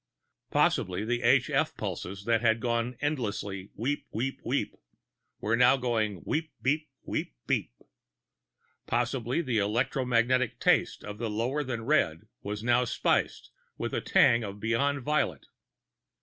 Possibly the h f pulses that had gone endlessly wheep, wheep, wheep were now going wheep beep, wheep beep. Possibly the electromagnetic "taste" of lower than red was now spiced with a tang of beyond violet.